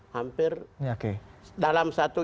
hampir dalam satu